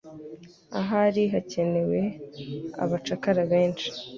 ahari hakenewe abacakara benshi